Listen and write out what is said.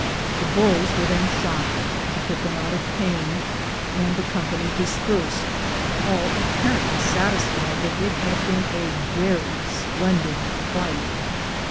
The bulls were then shot to put them out of pain, and the company dispersed, all apparently satisfied that it had been a very splendid fight.